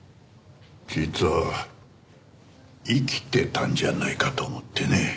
実は生きてたんじゃないかと思ってね。